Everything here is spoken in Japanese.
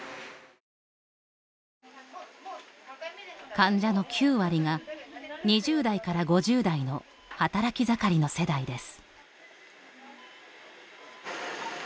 患者の９割が２０代から５０代の働き盛りの世代です。